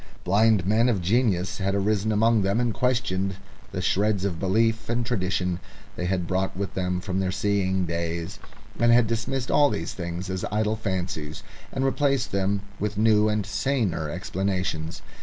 Blind men of genius had arisen among them and questioned the shreds of belief and tradition they had brought with them from their seeing days, and had dismissed all these things as idle fancies, and replaced them with new and saner explanations.